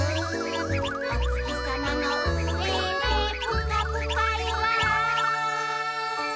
「おつきさまのうえでぷかぷかゆら」